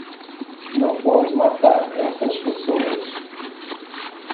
Não pode matar essas pessoas